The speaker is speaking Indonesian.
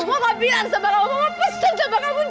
maka pesan sama kamu